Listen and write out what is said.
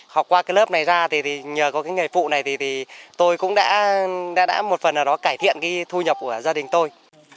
học qua cái lớp này ra thì nhờ có cái nghề phụ này thì tôi cũng đã một phần ở đó cải thiện cái thu nhập của gia đình tôi